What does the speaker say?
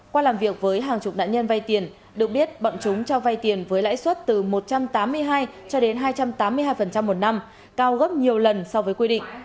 qua làm việc với hàng chục nạn nhân vay tiền được biết bọn chúng cho vay tiền với lãi suất từ một trăm tám mươi hai cho đến hai trăm tám mươi hai một năm cao gấp nhiều lần so với quy định